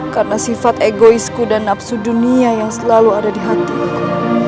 karena sifat egoisku dan nafsu dunia yang selalu ada di hatiku